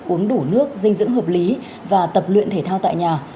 uống đủ nước dinh dưỡng hợp lý và tập luyện thể thao tại nhà